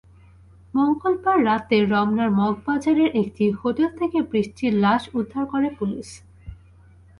মঙ্গলবার রাতে রমনার মগবাজারের একটি হোটেল থেকে বৃষ্টির লাশ উদ্ধার করে পুলিশ।